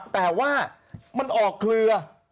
แต่ว่ามันออกเครือ